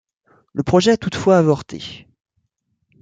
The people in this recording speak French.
Le projet a toutefois avorté.